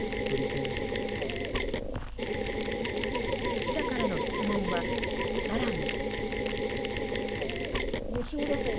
記者からの質問は、更に。